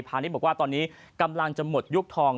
ณิชย์บอกว่าตอนนี้กำลังจะหมดยุคทอง